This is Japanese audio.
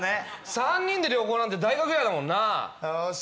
３人で旅行なんて大学以来だもんなよーし